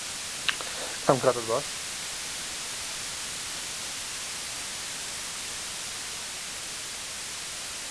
ئەفسەرێک و سێ پۆلیس هاتن لە جگەرەی قاچاغ دەگەڕان